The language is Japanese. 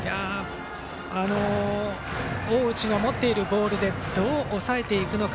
大内が持っているボールでどう抑えていくか。